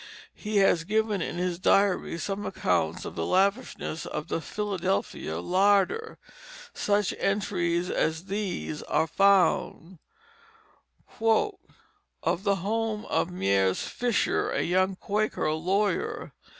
He has given in his diary some accounts of the lavishness of the Philadelphia larder. Such entries as these are found: (Of the home of Miers Fisher, a young Quaker lawyer.)